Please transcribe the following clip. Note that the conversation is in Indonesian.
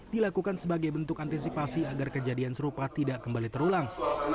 dilakukan sebagai bentuk antisipasi agar kejadian serupa tidak kembali terulang